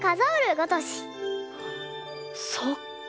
そっか。